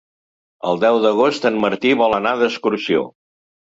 El deu d'agost en Martí vol anar d'excursió.